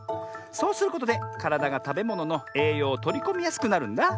そうすることでからだがたべもののえいようをとりこみやすくなるんだあ。